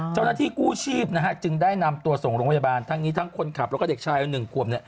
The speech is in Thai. เจ้าหน้าที่กู้ชีพนะฮะจึงได้นำตัวส่งโรงพยาบาลทั้งนี้ทั้งคนขับแล้วก็เด็กชาย๑ขวบเนี่ย